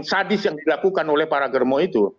sadis yang dilakukan oleh para germo itu